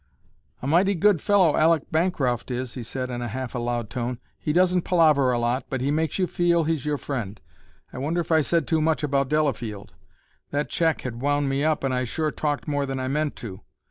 "A mighty good fellow Aleck Bancroft is," he said in a half aloud tone. "He doesn't palaver a lot, but he makes you feel he's your friend. I wonder if I said too much about Delafield. That check had wound me up and I sure talked more than I meant to."